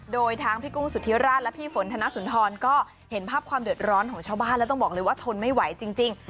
โดยทั้งพี่กุ้งสุธิราชและพี่ฝนธนสุนทรก็เห็นภาพความเดือดร้อนของชาวบ้านแล้วต้องบอกเลยว่าทนไม่ไหวจริง